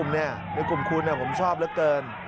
จริงจริงจริงจริง